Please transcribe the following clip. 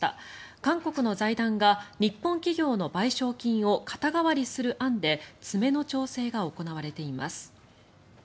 韓国の財団が日本企業の賠償金を肩代わりする案で詰めの調整が行われています。